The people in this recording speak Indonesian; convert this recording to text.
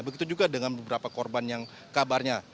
begitu juga dengan beberapa korban yang kabarnya